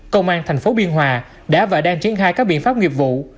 công an tp hcm đã và đang triển khai các biện pháp nghiệp vụ